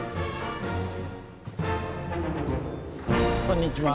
こんにちは。